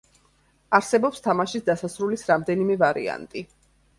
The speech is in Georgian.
არსებობს თამაშის დასასრულის რამდენიმე ვარიანტი.